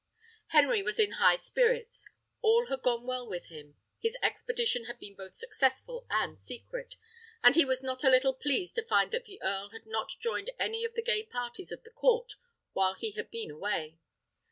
Henry was in high spirits. All had gone well with him: his expedition had been both successful and secret, and he was not a little pleased to find that the earl had not joined any of the gay parties of the court while he had been away.